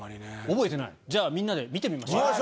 じゃあみんなで見てみましょう。